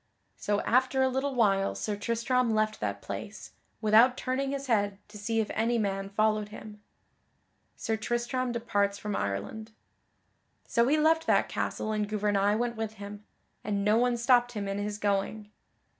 So after a little while Sir Tristram left that place, without turning his head to see if any man followed him. [Sidenote: Sir Tristram departs from Ireland] So he left that castle and Gouvernail went with him, and no one stopped him in his going.